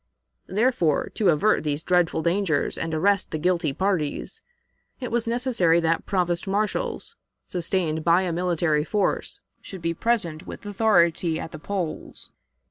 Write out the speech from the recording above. Therefore, to avert these dreadful dangers and arrest the guilty parties, it was necessary that provost marshals, sustained by a military force, should be present with authority at the polls.